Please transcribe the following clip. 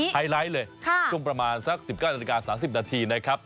ไฮไลท์เลยช่วงประมาณสัก๑๙นาฬิกา๓๐นาทีนะครับ